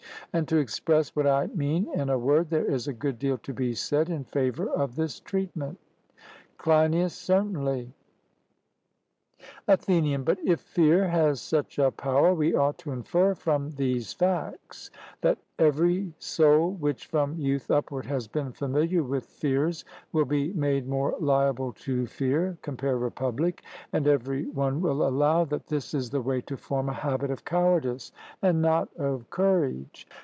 And, to express what I mean in a word, there is a good deal to be said in favour of this treatment. CLEINIAS: Certainly. ATHENIAN: But if fear has such a power we ought to infer from these facts, that every soul which from youth upward has been familiar with fears, will be made more liable to fear (compare Republic), and every one will allow that this is the way to form a habit of cowardice and not of courage.